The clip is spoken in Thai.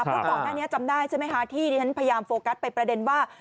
เพราะก่อนหน้านี้จำได้ใช่ไหมคะที่ดิฉันพยายามโฟกัสไปประเด็นว่า